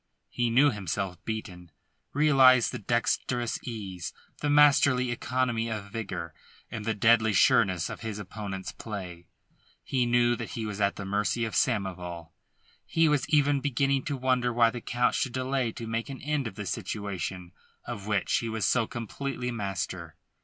He knew himself beaten, realised the dexterous ease, the masterly economy of vigour and the deadly sureness of his opponent's play. He knew that he was at the mercy of Samoval; he was even beginning to wonder why the Count should delay to make an end of a situation of which he was so completely master.